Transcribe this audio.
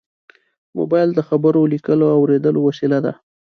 موبایل د خبرو، لیکلو او اورېدو وسیله ده.